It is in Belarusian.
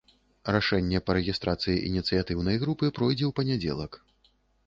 Рашэнне па рэгістрацыі ініцыятыўнай групы пройдзе ў панядзелак.